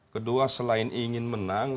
kedua selain ingin menang